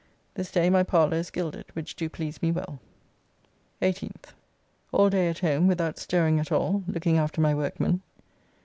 This day my parlour is gilded, which do please me well. 18th. All day at home, without stirring at all, looking after my workmen.